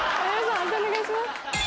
判定お願いします。